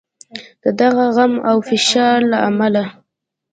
د دغه غم او فشار له امله.